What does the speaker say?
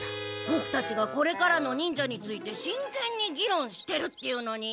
ボクたちがこれからの忍者について真けんに議論してるっていうのに。